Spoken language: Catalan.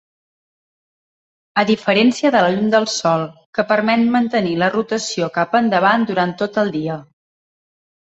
A diferència de la llum del sol, que permet mantenir la rotació cap endavant durant tot el dia.